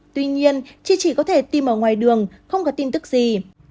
tuy nhiên chị chỉ có thể tìm ở ngoài đường không có tin tức gì